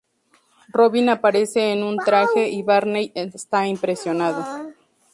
Robin aparece en un traje, y Barney está impresionado.